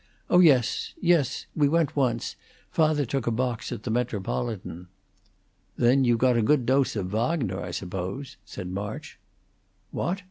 "Oh yes. Yes! We went once. Father took a box at the Metropolitan." "Then you got a good dose of Wagner, I suppose?" said March. "What?"